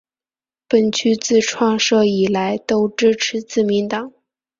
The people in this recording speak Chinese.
本区自创设以来都支持自民党。